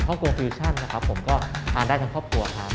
โกงฟิวชั่นนะครับผมก็ทานได้ทั้งครอบครัวครับ